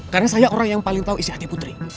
karena saya orang yang paling tau isi hati putri